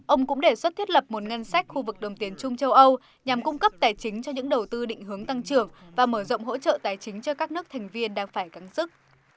ông cũng đề xuất thiết lập một ngân sách khu vực đồng tiền trung châu âu nhằm cung cấp tài chính cho những đầu tư định hướng tăng trưởng và mở rộng hỗ trợ tài chính cho các nước thành viên đang phải cắn sức